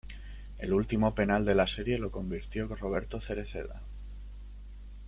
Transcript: El último penal de la serie lo convirtió Roberto Cereceda.